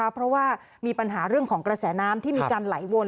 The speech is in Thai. เพราะว่ามีปัญหาเรื่องของกระแสน้ำที่มีการไหลวน